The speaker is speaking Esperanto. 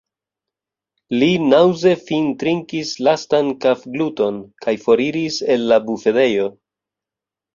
Li naŭze fintrinkis lastan kafgluton kaj foriris el la bufedejo.